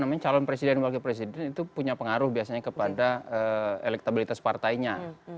namanya calon presiden dan wakil presiden itu punya pengaruh biasanya kepada elektabilitas partainya